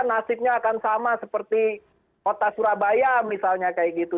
nasibnya akan sama seperti kota surabaya misalnya kayak gitu